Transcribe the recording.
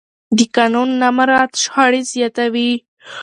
د قانون نه مراعت شخړې زیاتوي